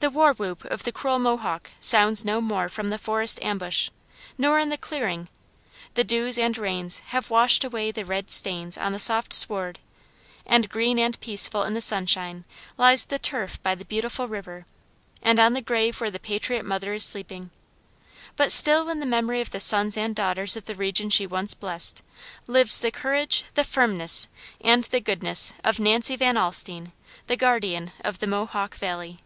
The war whoop of the cruel Mohawk sounds no more from the forest ambush, nor in the clearing; the dews and rains have washed away the red stains on the soft sward, and green and peaceful in the sunshine lies the turf by the beautiful river and on the grave where the patriot mother is sleeping; but still in the memory of the sons and daughters of the region she once blessed, lives the courage, the firmness, and the goodness of Nancy Van Alstine, the guardian of the Mohawk Valley.